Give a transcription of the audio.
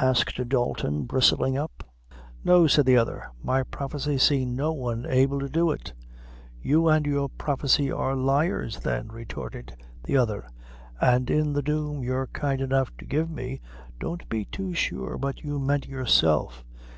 asked Dalton, bristling up. "No," said the other; "my prophecy seen no one able to do it." "You and your prophecy are liars, then," retorted the other: "an' in the doom you're kind enough to give me, don't be too sure but you meant yourself.